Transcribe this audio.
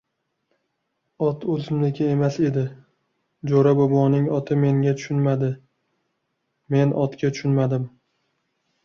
— Ot o‘zimniki emas edi. Jo‘ra boboning oti menga tushunmadi, men otga tushunmadim.